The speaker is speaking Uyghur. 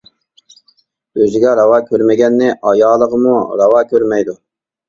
ئۆزىگە راۋا كۆرمىگەننى ئايالىغىمۇ راۋا كۆرمەيدۇ.